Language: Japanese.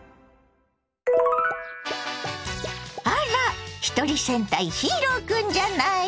あらひとり戦隊ヒーロー君じゃない。